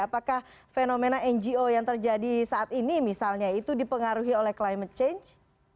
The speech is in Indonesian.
apakah fenomena ngo yang terjadi saat ini misalnya itu dipengaruhi oleh climate change